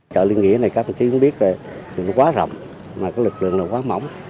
chợ liên nghĩa này các bà chí cũng biết là nó quá rộng mà lực lượng nó quá mỏng